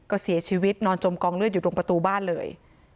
ก็เสียชีวิตนอนจมกองเลือดอยู่ตรงประตูบ้านเลย